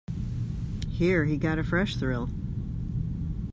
Here he got a fresh thrill.